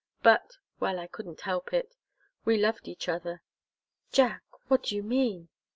But well, I couldn't help it. We loved each other." "Jack what do you mean?"